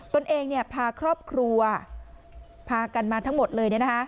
ตนเองพาครอบครัวพากันมาทั้งหมดเลย